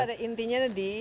pokoknya pada intinya di